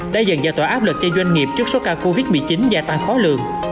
đã dần giải tỏa áp lực cho doanh nghiệp trước số ca covid một mươi chín gia tăng khó lường